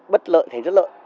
bất lợi thành rất lợi